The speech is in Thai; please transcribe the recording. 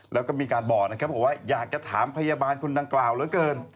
แล้วก็มีการบอกนะครับบอกว่าอยากจะถามพยาบาลคนดังกล่าวเหลือเกิน